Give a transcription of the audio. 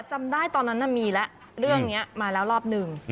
จำได้ตอนนั้นมีแล้วเรื่องนี้มาแล้วรอบหนึ่ง